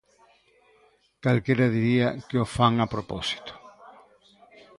Calquera diría que o fan a propósito.